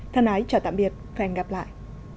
thân ái chào tạm biệt hẹn gặp lại